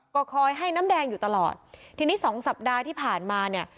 ก็คอยให้น้ำแดงอยู่ตลอดทีนี้สองสัปดาห์ที่ผ่านมาเนี่ย